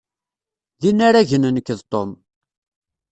D inaragen nekk d Tom.